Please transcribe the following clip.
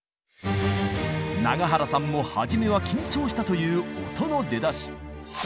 長原さんもはじめは緊張したという音の出だし。